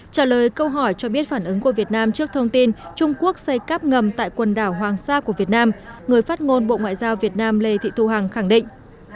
trả lời câu hỏi cho biết phản ứng của việt nam trước thông tin trung quốc xây cắp ngầm tại quần đảo hoàng sa của việt nam người phát ngôn bộ ngoại giao việt nam lê thị thu hằng khẳng định